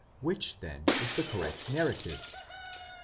Which then is the correct narrative?